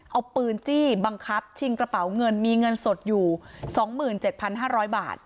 เอาปืนจี้บังคับชิงกระเป๋าเงินมีเงินสดอยู่สองหมื่นเจ็ดพันห้าร้อยบาท